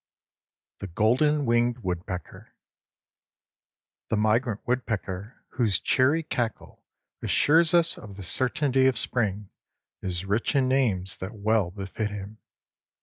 XIV THE GOLDEN WINGED WOODPECKER The migrant woodpecker whose cheery cackle assures us of the certainty of spring is rich in names that well befit him.